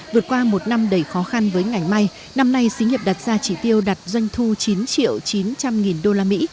vượt qua một năm đầy khó khăn với ngành may năm nay xí nghiệp đặt ra chỉ tiêu đặt doanh thu chín triệu chín trăm linh nghìn usd